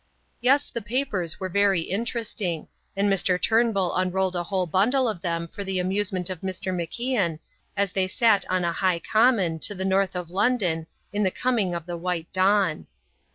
Yes, the papers were very interesting, and Mr. Turnbull unrolled a whole bundle of them for the amusement of Mr. MacIan as they sat on a high common to the north of London, in the coming of the white dawn.